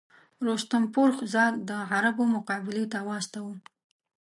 رستم فرُخ زاد د عربو مقابلې ته واستاوه.